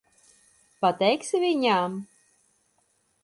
Pateiksi viņam?